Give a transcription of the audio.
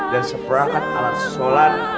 dan seperangkat alat sholat